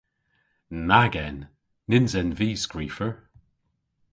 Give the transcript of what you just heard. Nag en! Nyns en vy skrifer.